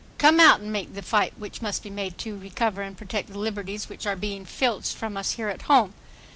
Come out and help make the fight which must be made to recover and protect the liberties which are being filched from us here at home.